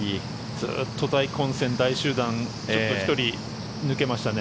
ずっと大混戦、大集団１人抜けましたね。